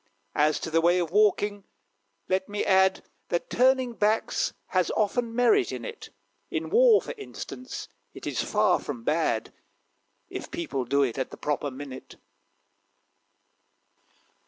As to the way of walking, let me add, That turning backs has often merit in it In war, for instance, it is far from bad, If people do it at the proper minute.